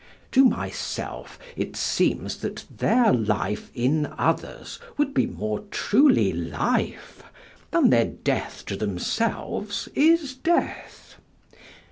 To myself it seems that their life in others would be more truly life than their death to themselves is death.